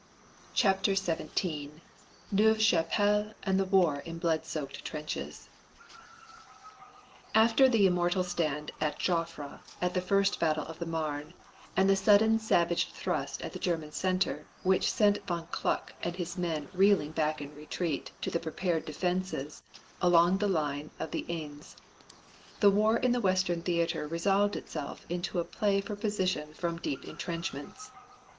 CHAPTER XVII NEUVE CHAPELLE AND WAR IN BLOOD SOAKED TRENCHES After the immortal stand of Joffre at the first battle of the Marne and the sudden savage thrust at the German center which sent von Kluck and his men reeling back in retreat to the prepared defenses along the line of the Aisne, the war in the western theater resolved itself into a play for position from deep intrenchments.